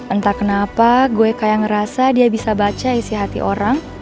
entah kenapa gue kayak ngerasa dia bisa baca isi hati orang